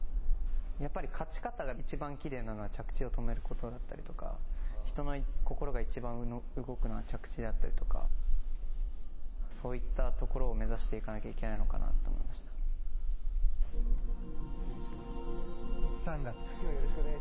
やっぱり勝ち方がいちばんきれいなのは着地を止めることだったりとか人の心がいちばん動くのは着地であったりとかそういったところを目指していかないといけないのか３月。